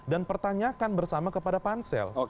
dan pertanyakan bersama kepada pansel